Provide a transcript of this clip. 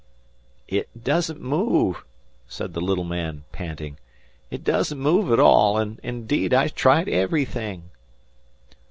"It doesn't move," said the little man, panting. "It doesn't move at all, and instead I tried everything."